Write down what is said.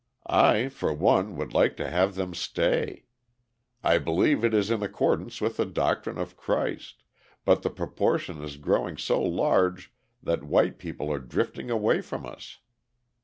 I for one would like to have them stay. I believe it is in accordance with the doctrine of Christ, but the proportion is growing so large that white people are drifting away from us.